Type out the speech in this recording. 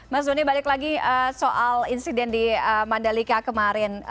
mbak zuni balik lagi soal insiden di mandalika kemarin